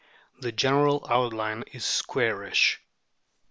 The general outline is squarish.